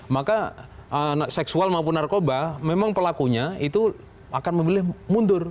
maka seksual maupun narkoba memang pelakunya itu akan memilih mundur